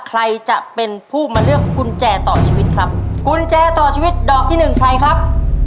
ใครจะเป็นผู้มาเลือกกุญแจต่อชีวิตครับกุญแจต่อชีวิตดอกที่หนึ่งใครครับ